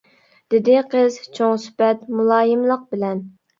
— دېدى قىز چوڭ سۈپەت مۇلايىملىق بىلەن.